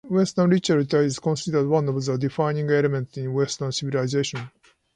Western literature is considered one of the defining elements of Western civilization.